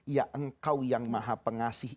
ya engkau yang maha pengasih